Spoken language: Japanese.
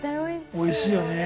おいしいよね。